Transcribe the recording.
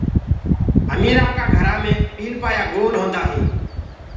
اميرآ ڪآ گھرآ مي پيٚلپآيآ گول هوندآ هين۔